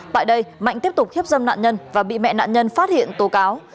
tại đây mạnh tiếp tục hiếp dâm nạn nhân và bị mẹ nạn nhân phát hiện tố cáo